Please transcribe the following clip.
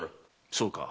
そうか。